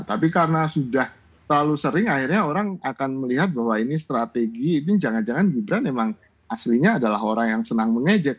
tapi karena sudah terlalu sering akhirnya orang akan melihat bahwa ini strategi ini jangan jangan gibran memang aslinya adalah orang yang senang mengejek